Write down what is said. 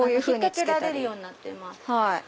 引っ掛けられるようになってます。